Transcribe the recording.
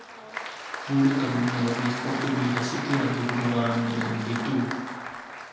Kvůli tomu mělo být v období deseti let vybudováno milion bytů.